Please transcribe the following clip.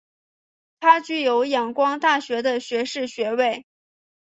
他具有仰光大学的学士学位。